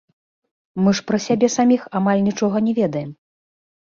Мы ж пра сябе саміх амаль нічога не ведаем.